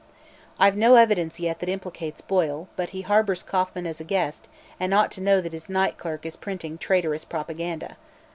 I've no evidence yet that implicates Boyle, but he harbors Kauffman as a guest and ought to know that his night clerk is printing traitorous propaganda.